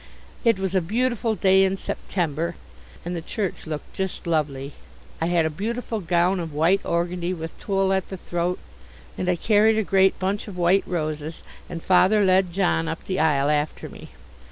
It was a beautiful day in September, and the church looked just lovely. I had a beautiful gown of white organdie with tulle at the throat, and I carried a great bunch of white roses, and Father led John up the aisle after me.